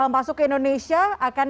masuk ke indonesia akan